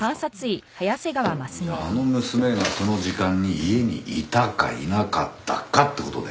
じゃああの娘がその時間に家にいたかいなかったかって事だよな。